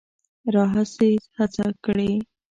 راهیسې هڅه کړې